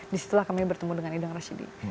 disitulah kami bertemu dengan idang rashidi